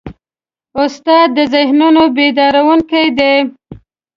استاد د ذهنونو بیدارونکی دی.